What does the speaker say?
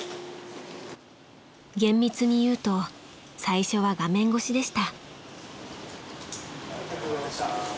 ［厳密に言うと最初は画面越しでした］